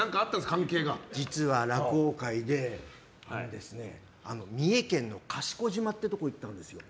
実は、落語会で三重県の賢島ってところ行ったんですよ。